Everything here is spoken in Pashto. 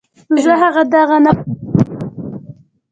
زه هغه دغه نه پوهېږم.